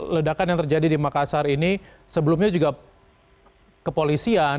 ledakan yang terjadi di makassar ini sebelumnya juga kepolisian